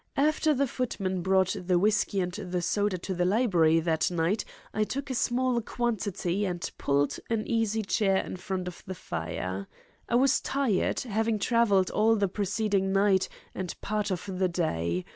After the footman brought the whisky and soda to the library that night I took a small quantity, and pulled an easy chair in front of the fire. I was tired, having travelled all the preceding night and part of the day.